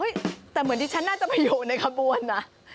แต่เหมือนที่ฉันน่าจะไปอยู่ในขบวนนะ